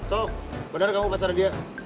so benar kamu pacar dia